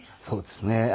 そうですね。